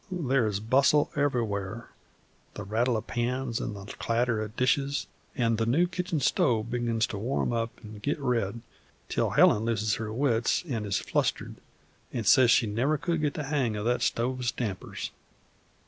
There is bustle everywhere, the rattle of pans an' the clatter of dishes; an' the new kitch'n stove begins to warm up an' git red, till Helen loses her wits an' is flustered, an' sez she never could git the hang o' that stove's dampers.